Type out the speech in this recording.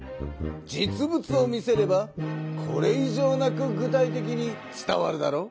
実物を見せればこれい上なく具体的に伝わるだろう。